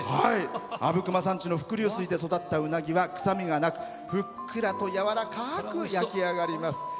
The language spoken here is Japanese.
阿武隈山地の伏流水で育ったうなぎは臭みがなく、ふっくらとやわらかく焼き上がります。